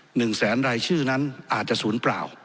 หนึ่งแสนรายชื่อนั้นอาจจะศูนย์เปล่า